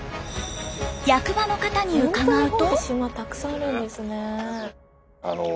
役場の方に伺うと。